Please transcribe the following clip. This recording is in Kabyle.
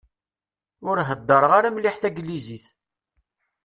Ur heddreɣ ara mliḥ Taglizit.